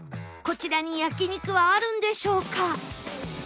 こちらに焼肉はあるんでしょうか？